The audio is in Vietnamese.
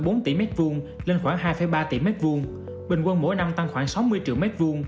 tăng từ một bốn tỷ m hai lên khoảng hai ba tỷ m hai bình quân mỗi năm tăng khoảng sáu mươi triệu m hai